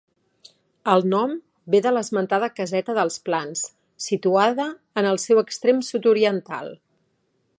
El nom ve de l'esmentada Caseta dels Plans, situada en el seu extrem sud-oriental.